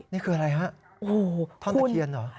นี่คืออะไรฮะท่อนตะเคียนเหรอ